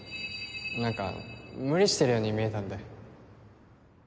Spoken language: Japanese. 何か無理してるように見えたんで